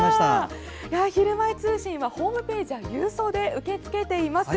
「ひるまえ通信」はホームページ郵送で受け付けています。